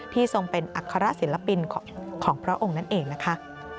ทรงเป็นอัครศิลปินของพระองค์นั่นเองนะคะ